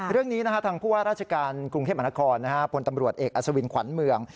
เรื่องนี้ทางผู้ว่าราชการกรุงเทพมหานครพลตำรวจเอกอัศวินขวัญเมือง